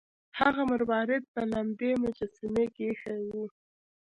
هغه مروارید په لمدې مجسمې کې ایښی و.